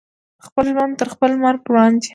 خپل ژوند تر خپل مرګ وړاندې